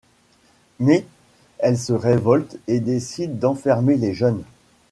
Mais elles se révoltent et décident d'enfermer les jeunes.